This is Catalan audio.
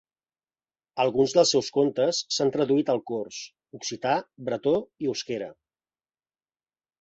Alguns dels seus contes s'han traduït al cors, occità, bretó i euskera.